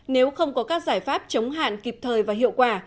nếu không có các giải pháp chống hạn kịp thời và hiệu quả